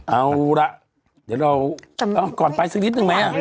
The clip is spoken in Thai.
เอาละเดี๋ยวเราก่อนไปสักนิดนึงไหม